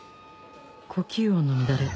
呼吸音の乱れ